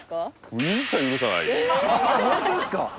ホントですか？